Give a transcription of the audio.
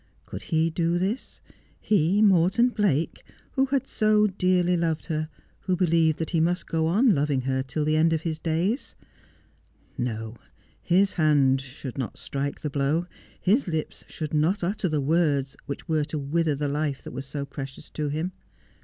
Could he do this 1 — he, Morton Blake, who had so doarly loved her, who believed that he must go on loving her till the end of his days? No. His hand should not strike the blow. His lips should not utter the words which were to wither the life that was so precious to him.